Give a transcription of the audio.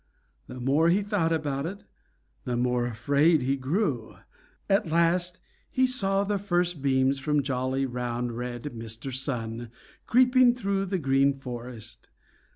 The more he thought about it, the more afraid he grew. At last he saw the first beams from jolly, round, red Mr. Sun creeping through the Green Forest.